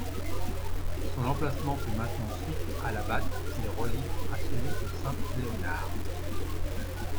Son emplacement fait maintenant suite à la Batte qu'il relie à celui de Saint-Léonard.